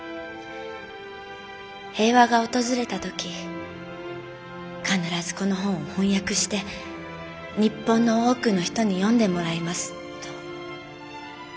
「平和が訪れた時必ずこの本を翻訳して日本の多くの人に読んでもらいます」と。